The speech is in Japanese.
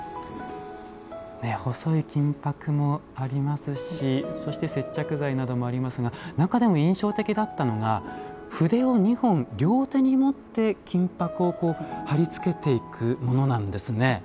細い金ぱくもありますしそして接着剤などもありますが中でも印象的だったのが筆を２本両手に持って金ぱくを貼り付けていくものなんですね。